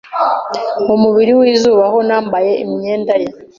mu mubiri wizubahano nambaye imyendaye